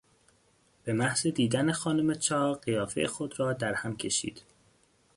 به محض دیدن خانم چاق قیافهی خود را درهم کشید.